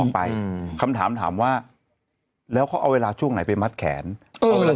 ไปอืมคำถามถามว่าแล้วเขาเอาเวลาช่วงไหนไปมัดแขนเพราะเวลา